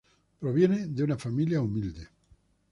Proviene de una familia humilde.